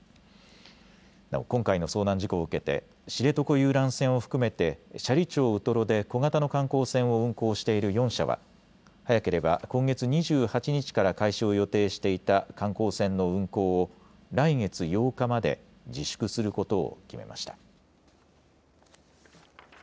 なお今回の遭難事故を受けて知床遊覧船を含めて斜里町ウトロで小型の観光船を運航している４社は早ければ今月２８日から開始を予定していた観光船の運航を来月８日まで自粛することを決めました。